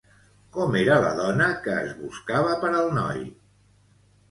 Com era la dona que es buscava per al noi?